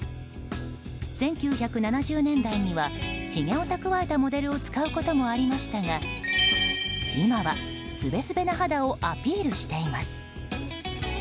１９７０年代にはひげを蓄えたモデルを使うこともありましたが今は、すべすべな肌をアピールしています。